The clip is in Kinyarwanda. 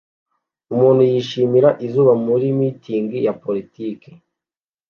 Umuntu yishimira izuba muri mitingi ya politiki